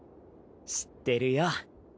知ってるよ！